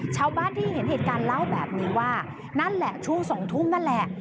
ชาวบ้านที่เห็นเหตุการณ์เล่าแบบนี้ว่านั่นแหละช่วง๒ทุ่มนั่นแหละ